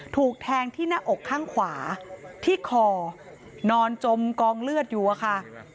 ถูกแทงที่หน้าอกข้างขวาที่คอนอนจมกองเลือดอยู่อะค่ะ